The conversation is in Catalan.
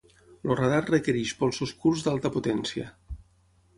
El radar requereix polsos curts d'alta potència.